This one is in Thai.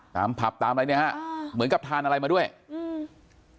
ผับตามอะไรเนี้ยฮะอ่าเหมือนกับทานอะไรมาด้วยอืม